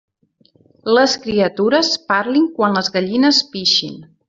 Les criatures parlin quan les gallines pixin.